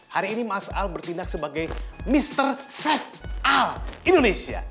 hari ini mas al bertindak sebagai mr safe a indonesia